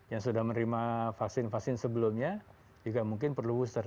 yang sudah menerima vaksin vaksin sebelumnya juga mungkin perlu booster